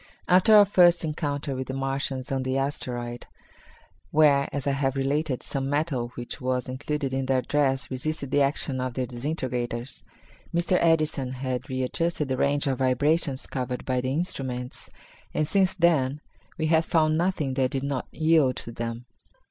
After our first encounter with the Martians on the asteroid, where, as I have related, some metal which was included in their dress resisted the action of the disintegrators, Mr. Edison had readjusted the range of vibrations covered by the instruments, and since then we had found nothing that did not yield to them.